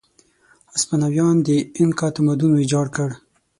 هسپانویانو د اینکا تمدن ویجاړ کړ.